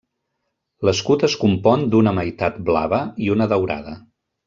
L'escut es compon d'una meitat blava, i una daurada.